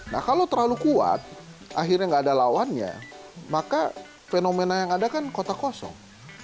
nah kalau terlalu kuat akhirnya nggak ada lawannya maka fenomena yang ada kan kota kosong